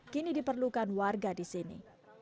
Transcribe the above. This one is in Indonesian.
kini diperlukan warga di sini